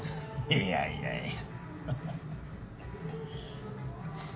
いやいやいや。